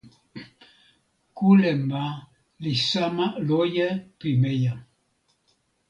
kule ma li sama loje pimeja.